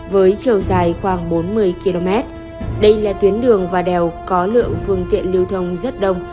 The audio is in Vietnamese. với chiều dài khoảng bốn mươi km đây là tuyến đường và đèo có lượng phương tiện lưu thông rất đông